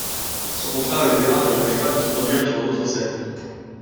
Son contrat à l'Opéra ne l'empêche pas de se produire sur d'autres scènes.